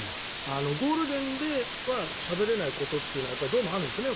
ゴールデンではしゃべれないことってどうもあるんですね